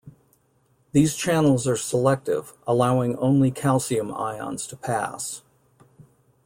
These channels are selective, allowing only calcium ions to pass.